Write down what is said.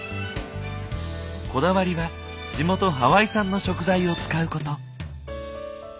こだわりは地元ハワイ産の食材を使うこと。